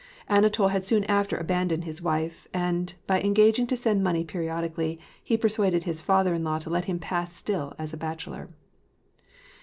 Anatol had soon after abandoned his wife, and, by engaging to send money periodically, he persuaded his father in law to let him pass still as a bachelor.